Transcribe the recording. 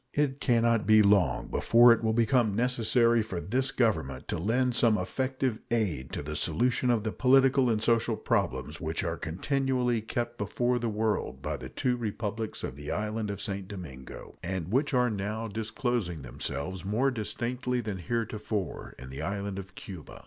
It can not be long before it will become necessary for this Government to lend some effective aid to the solution of the political and social problems which are continually kept before the world by the two Republics of the island of St. Domingo, and which are now disclosing themselves more distinctly than heretofore in the island of Cuba.